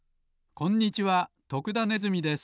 こんにちは徳田ネズミです。